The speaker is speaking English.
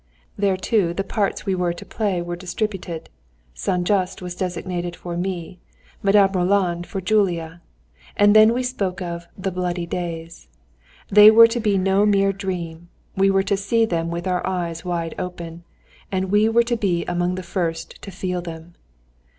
There, too, the parts we were to play were distributed; Saint Juste was designed for me, Madame Roland for Julia. And then we spoke of "the bloody days." They were to be no mere dream, we were to see them with our eyes wide open. And we were to be among the first to feel them.